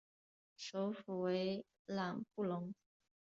首府为朗布隆。